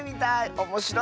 おもしろいね。